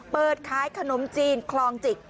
เปิดขายขนมจีนคลองจิก